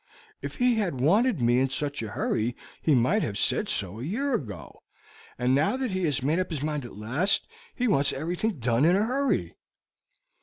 If he had wanted me in such a hurry he might have said so a year ago, and now that he has made up his mind at last, he wants everything done in a hurry."